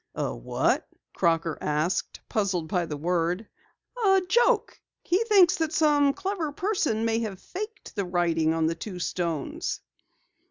"A what?" Crocker asked, puzzled by the word. "A joke. He thinks that some clever person may have faked the writing on the two stones."